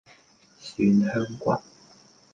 蒜香骨